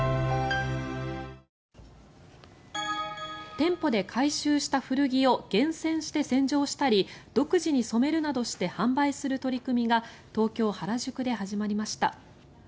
店舗で回収した古着を厳選して洗浄したり独自に染めるなどして販売する取り組みが東京・原宿で始まりました。